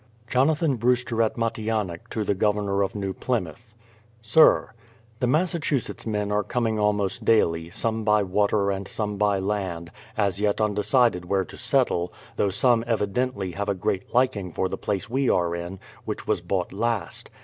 Jonathan Brewster at Matianuck to the Governor of New Plymouth: Sir, The Massachusetts men are coming almost daily, some by water and some by land, as yet undecided where to settle, though some evidently have a great liking for the place we are in, which was bought last.